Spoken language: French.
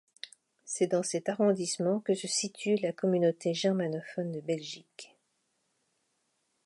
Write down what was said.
C'est dans cet arrondissement que se situe la Communauté germanophone de Belgique.